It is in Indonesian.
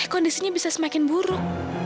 kondisinya bisa semakin buruk